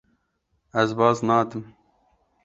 Ez baz nadim.